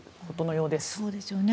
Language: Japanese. そうですよね。